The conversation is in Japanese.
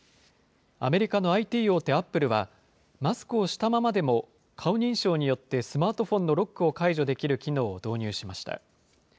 アメリカのＩＴ大手、アップルは、マスクをしたままでも、顔認証によってスマートフォンのロックを解除できる機能を導入しました。